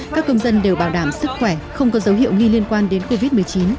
các công dân đều bảo đảm sức khỏe không có dấu hiệu nghi liên quan đến covid một mươi chín